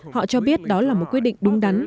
họ cho biết đó là một quyết định đúng đắn